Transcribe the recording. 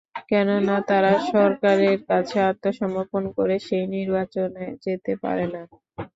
কেননা তারা সরকারের কাছে আত্মসমর্পণ করে সেই নির্বাচনে যেতে পারে না।